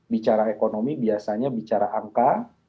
bicara ekonomi biasanya bicara angka